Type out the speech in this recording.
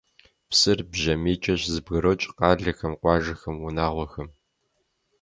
Псыр бжьамийкӀэ щызэбгрокӀ къалэхэм, къуажэхэм, унагъуэхэм.